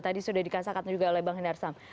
tadi sudah dikasahkan juga oleh bang hindarsam